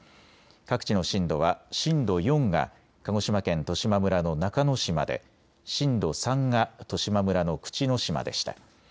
各地の震度は震度４が鹿児島県十島村の中之島で震度３が十島村の口之島でした。